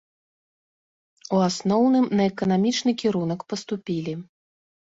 У асноўным, на эканамічны кірунак паступілі.